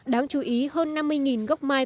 đáng chú ý hơn năm mươi gốc mai